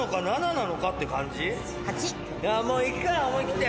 もういくか思い切って。